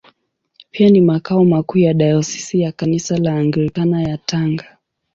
Pia ni makao makuu ya Dayosisi ya Kanisa la Anglikana ya Tanga.